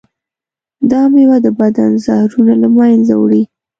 دا میوه د بدن زهرونه له منځه وړي.